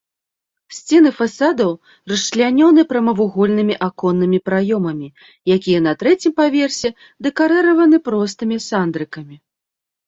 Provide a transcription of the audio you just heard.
Сцены фасадаў расчлянёны прамавугольнымі аконнымі праёмамі, якія на трэцім паверсе дэкарыраваны простымі сандрыкамі.